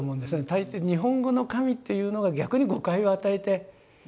大抵日本語の「神」っていうのが逆に誤解を与えてしまう。